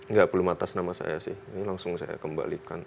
enggak belum atas nama saya sih ini langsung saya kembalikan